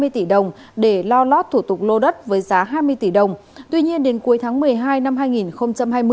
hai mươi tỷ đồng để lo lót thủ tục lô đất với giá hai mươi tỷ đồng tuy nhiên đến cuối tháng một mươi hai năm hai nghìn hai mươi